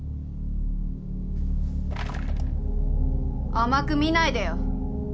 甘く見ないでよ。